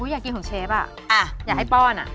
อุ๊ยอยากกินของเชฟอยากให้ป้อน